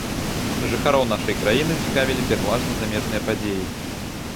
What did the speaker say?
Жыхароў нашай краіны цікавілі пераважна замежныя падзеі.